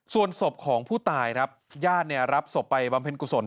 ส่วนศพของผู้ตายครับญาติเนี่ยรับศพไปบำเพ็ญกุศล